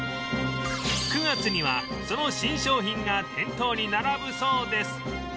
９月にはその新商品が店頭に並ぶそうです